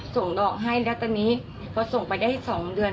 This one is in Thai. ส่งดอกให้แล้วตอนนี้พอส่งไปได้๒เดือน